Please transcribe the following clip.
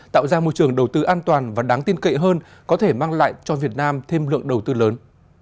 tạo ra môi trường đầu tư an toàn và đáng tin cậy hơn có thể mang lại cho việt nam thêm lượng đầu tư lớn